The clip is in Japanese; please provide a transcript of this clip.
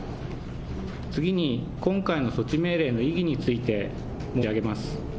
次に、今回の措置命令の意義について、申し上げます。